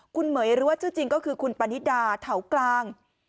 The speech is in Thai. คุณเหม๋ยหรือว่าชื่อจริงก็คือคุณปณิดาเถากลาง